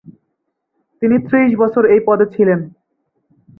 তিনি ত্রিশ বছর এই পদে ছিলেন।